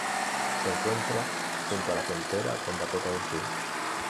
Se encuentra junto a la frontera con Dakota del Sur.